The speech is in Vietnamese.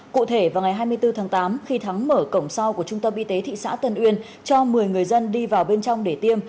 cụ thể vào ngày hai mươi bốn tháng tám khi thắng mở cổng sau của trung tâm y tế thị xã tân uyên cho một mươi người dân đi vào bên trong để tiêm